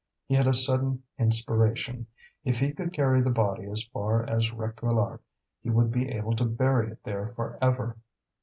He had a sudden inspiration: if he could carry the body as far as Réquillart, he would be able to bury it there for ever.